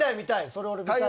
それ俺見たい。